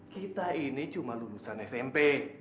kita ini cuma lulusan smp